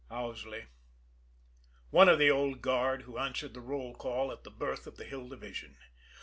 Owsley! One of the old guard who answered the roll call at the birth of the Hill Division!